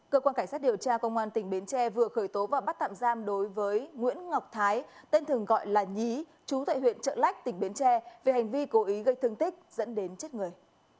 cơ quan cảnh sát điều tra công an tỉnh bến tre vừa khởi tố và bắt tạm giam đối với nguyễn ngọc thái tên thường gọi là nhí chú tại huyện trợ lách tỉnh bến tre về hành vi cố ý gây thương tích dẫn đến chết người